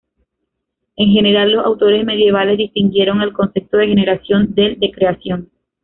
En general, los autores medievales distinguieron el concepto de generación del de creación.